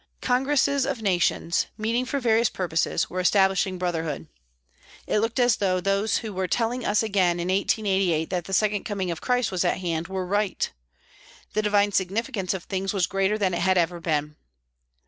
Congresses of nations, meeting for various purposes, were establishing brotherhood. It looked as though those who were telling us again in 1888 that the second coming of Christ was at hand were right. The divine significance of things was greater than it had ever been.